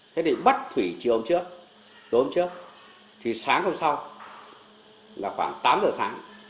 thế để bắt thủy chịu hôm trước tôi hôm trước thì sáng hôm sau là khoảng tám giờ sáng